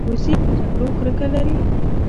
وزې له جګړو کرکه لري